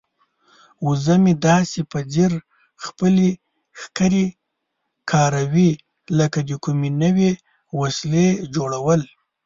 وزه مې داسې په ځیر خپلې ښکرې کاروي لکه د کومې نوې وسیلې جوړول.